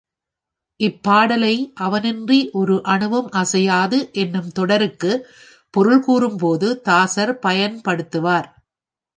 இப்பாடலை அவனன்றி ஓரணுவும் அசையாது என்னும் தொடருக்குப் பொருள் கூறும்போது தாசர் பயன்படுத்துவார்.